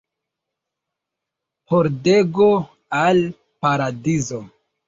Pordego al Paradizo.